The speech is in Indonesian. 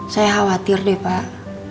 saya khawatir deh pak